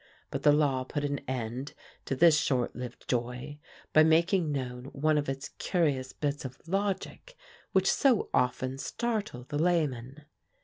But the law put an end to this short lived joy by making known one of its curious bits of logic, which so often startle the layman.